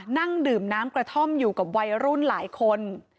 นั่งดื่มน้ำกระท่อมอยู่กับวัยรุ่นหลายคน